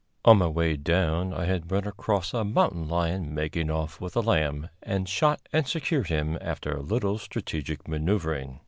On my way down I had run across a mountain lion making off with a lamb, and shot and secured him after a little strategic maneuvering.